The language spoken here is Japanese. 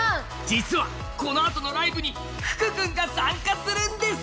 実は、このあとのライブに福君が参加するんです。